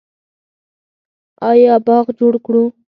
آیا باغ جوړ کړو؟